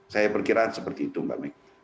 saya perkira seperti itu mbak meg